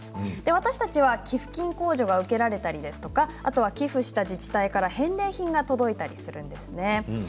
私たちは寄付金控除が受けられたり寄付した自治体から返礼品が届いたりします。